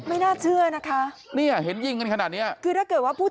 ไม่น่าเชื่อนะคะเนี่ยเห็นยิงกันขนาดเนี้ยคือถ้าเกิดว่าพูด